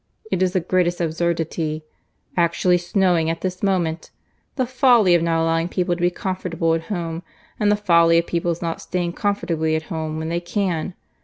It is the greatest absurdity—Actually snowing at this moment!—The folly of not allowing people to be comfortable at home—and the folly of people's not staying comfortably at home when they can!